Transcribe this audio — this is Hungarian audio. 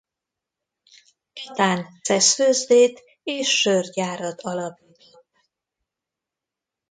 Tatán szeszfőzdét és sörgyárat alapított.